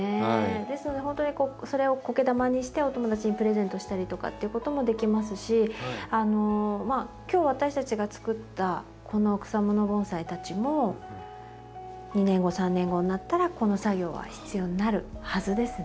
ですのでほんとにそれをコケ玉にしてお友達にプレゼントしたりとかっていうこともできますし今日私たちがつくったこの草もの盆栽たちも２年後３年後になったらこの作業は必要になるはずですね。